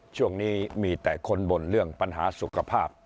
ช่วงนี้มีแต่คนบ่นเรื่องปัญหาสุขภาพ